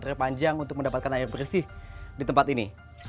jauh lebih panjang untuk mendapatkan air bersih di tempat ini